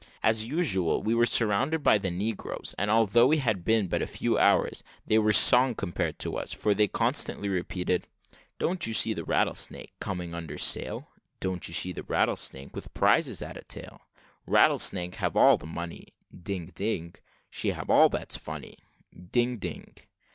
As usual, we were surrounded by the negroes; and although we had been there but a few hours, they had a song composed for us, which they constantly repeated: "Don't you see the Rattlesnake Coming under sail? Don't you see the Rattlesnake With prizes at um tail? Rattlesnake hab all the money, ding ding She shall hab all that's funny, ding, ding!"